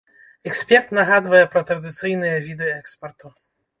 Эксперт нагадвае пра традыцыйныя віды экспарту.